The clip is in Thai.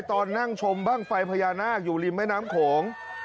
ตอนนั่งชมบ้างไฟพญานาคอยู่ริมแม่น้ำโขง